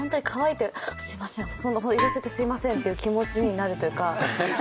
すみません言わせてすみませんっていう気持ちになるというか。